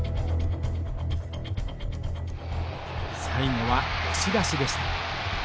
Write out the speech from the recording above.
最後は押し出しでした。